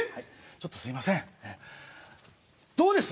ちょっとすいませんどうです？